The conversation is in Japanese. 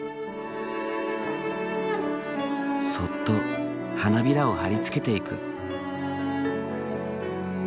そっと花びらを貼り付けていく。